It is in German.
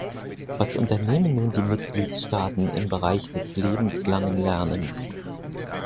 Was unternehmen nun die Mitgliedstaaten im Bereich des lebenslangen Lernens?